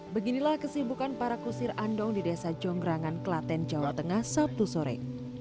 beginilah kesibukan para kusir andong di desa jonggrangan klaten jawa tengah sabtu sore